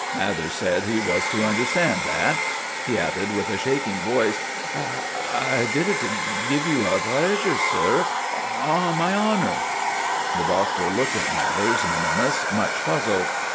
Mathers said he was to understand that. He added with a shaking voice— "I did it to give you pleasure, sir—on my honour." The Doctor looked at Mathers minimus much puzzled.